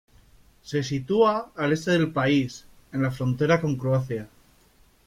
Se sitúa al este del país, en la frontera con Croacia.